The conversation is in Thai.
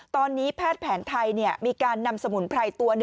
ตอนนี้แพทย์แผนไทยมีการนำสมุนไพรตัว๑